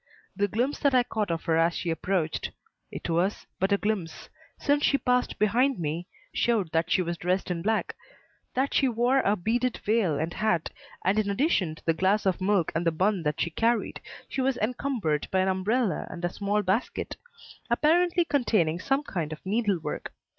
The glimpse that I caught of her as she approached it was but a glimpse, since she passed behind me showed that she was dressed in black, that she wore a beaded veil and hat, and in addition to the glass of milk and the bun that she carried, she was encumbered by an umbrella and a small basket, apparently containing some kind of needlework.